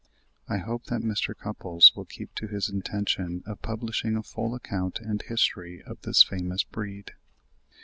I hope that Mr. Cupples will keep to his intention of publishing a full account and history of this famous breed.)